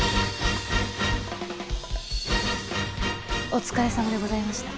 お疲れさまでございました。